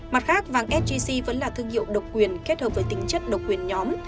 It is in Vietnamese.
mặt khác vàng sgc vẫn là thương hiệu độc quyền kết hợp với tính chất độc quyền nhóm